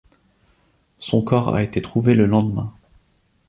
Son corps a été trouvé le lendemain.